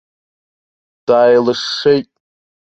Дааилышшеит.